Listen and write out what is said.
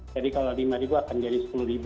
jadi kalau lima akan jadi sepuluh